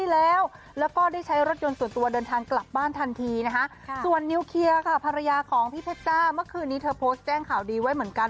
เพราะว่าเมื่อคืนนี้เธอโพสต์แจ้งข่าวดีไว้เหมือนกัน